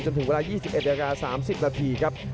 ถึงเวลา๒๑นาที๓๐นาทีครับ